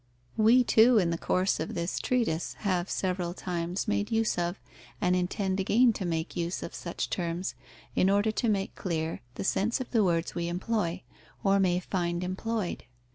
We, too, in the course of this treatise, have several times made use of, and intend again to make use of such terms, in order to make clear the sense of the words we employ, or may find employed.